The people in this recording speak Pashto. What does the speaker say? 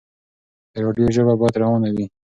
د راډيو ژبه بايد روانه وي.